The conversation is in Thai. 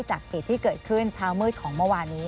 จากเหตุที่เกิดขึ้นเช้ามืดของเมื่อวานนี้